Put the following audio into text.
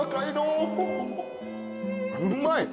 うまい！